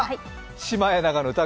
「シマエナガの歌」